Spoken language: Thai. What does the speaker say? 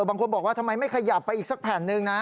บางคนบอกว่าทำไมไม่ขยับไปอีกสักแผ่นหนึ่งนะ